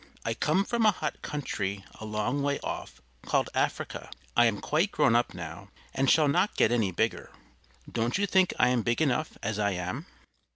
I come from a hot country a long way off, called Africa; I am quite grown up now and shall not get any bigger. Don't you think I am big enough as I am?